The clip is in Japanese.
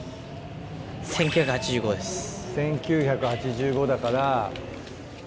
１９８５だから。